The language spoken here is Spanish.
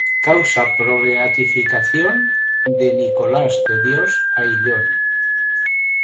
Causa pro beatificación de Nicolás de Dios Ayllón